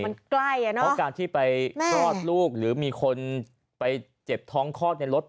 มันใกล้อ่ะเนอะเพราะการที่ไปคลอดลูกหรือมีคนไปเจ็บท้องคลอดในรถ